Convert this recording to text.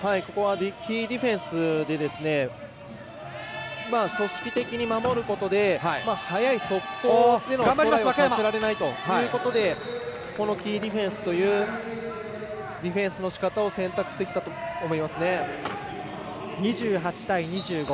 キーディフェンスで組織的に守ることで速い速攻をさせられないということでこのキーディフェンスというディフェンスのしかたを２８対２５。